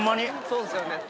そうですよね。